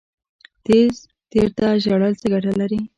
تیر ته ژړل څه ګټه لري؟